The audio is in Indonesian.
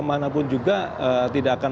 mana pun juga tidak akan